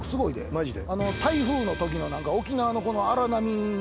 マジで？